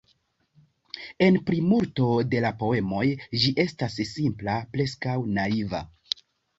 En plimulto de la poemoj ĝi estas simpla, preskaŭ naiva.